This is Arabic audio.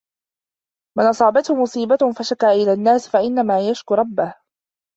مَنْ أَصَابَتْهُ مُصِيبَةٌ فَشَكَا إلَى النَّاسِ فَإِنَّمَا يَشْكُو رَبَّهُ